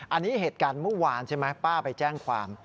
อันนี้เหตุการณ์เมื่อวานใช่ไหมป้าไปแจ้งความ